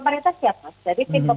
berlandasan kepada ruu yang eksklusif